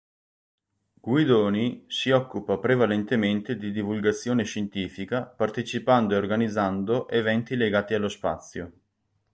Guidoni si occupa prevalentemente di divulgazione scientifica, partecipando e organizzando eventi legati allo spazio.